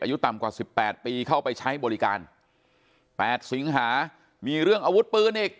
อายุต่ำกว่าสิบแปดปีเข้าไปใช้บริการ๘สิงหามีเรื่องอาวุธปืนอีก